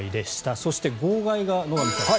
そして号外が、野上さん。